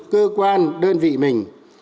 cơ quan đơn vị mình